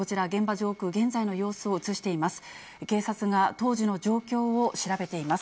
上空、現在の様子を映しています。